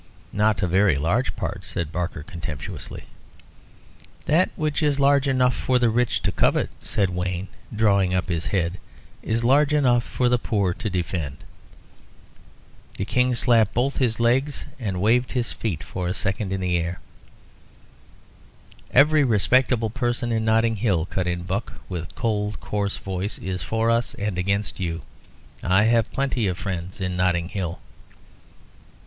"Not a very large part," said Barker, contemptuously. "That which is large enough for the rich to covet," said Wayne, drawing up his head, "is large enough for the poor to defend." The King slapped both his legs, and waved his feet for a second in the air. "Every respectable person in Notting Hill," cut in Buck, with his cold, coarse voice, "is for us and against you. I have plenty of friends in Notting Hill."